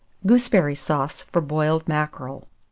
GOOSEBERRY SAUCE FOR BOILED MACKEREL.